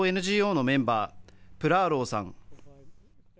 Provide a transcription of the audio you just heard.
ＮＧＯのメンバー、プラーローさん。